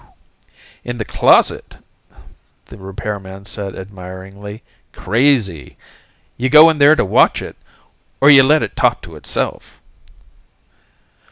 "In the closet," the repairman said, admiringly. "Crazy. You go in there to watch it, or you let it talk to itself?"